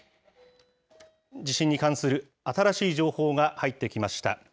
地震に関する新しい情報が入ってきました。